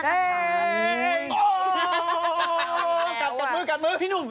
เฮ่ยโอ้โฮกลับมือกันมือค่ะตอนนี้ไง